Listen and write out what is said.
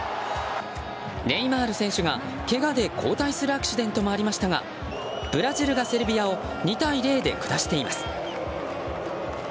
ネイマール選手がけがで交代するアクシデントもありましたがブラジルがセルビアを２対０で下しています。